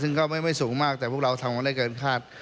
ซึ่งก็ไม่สูงมากแต่พวกเราทำกันได้เกินคาด